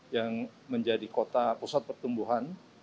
yang menjadi kota pusat pertumbuhan